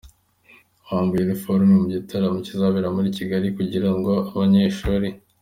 bambaye uniforme mu gitaramo kizabera muri Kigali kugira ngo abanyeshuri.